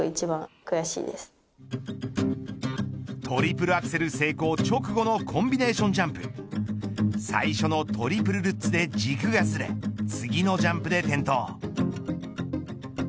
トリプルアクセル成功直後のコンビネーションジャンプ最初のトリプルルッツで軸がずれ次のジャンプで転倒。